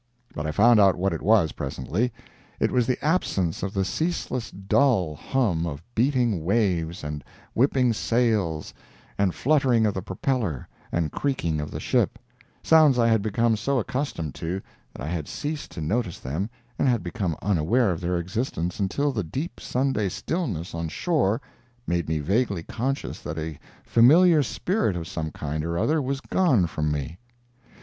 But I found out what it was presently. It was the absence of the ceaseless dull hum of beating waves and whipping sails and fluttering of the propeller, and creaking of the ship—sounds I had become so accustomed to that I had ceased to notice them and had become unaware of their existence until the deep Sunday stillness on shore made me vaguely conscious that a familiar spirit of some kind or other was gone from me.